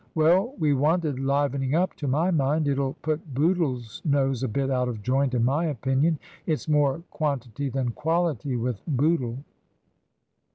"Well, we wanted livening up, to my mind. It'll put Bootle's nose a bit out of joint, in my opinion. It's more quantity than quality with Bootle."